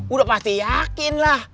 udah pasti yakin lah